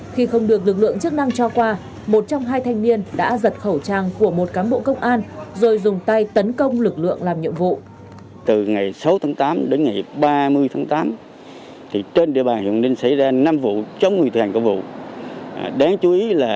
khi không được lực lượng chức năng cho qua một trong hai thanh niên đã giật khẩu trang của một cán bộ công an rồi dùng tay tấn công lực lượng làm nhiệm vụ